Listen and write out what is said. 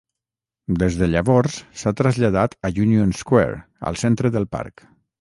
Des de llavors, s"ha traslladat a Union Square al centre del parc.